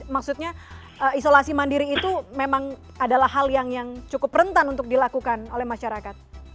maksudnya isolasi mandiri itu memang adalah hal yang cukup rentan untuk dilakukan oleh masyarakat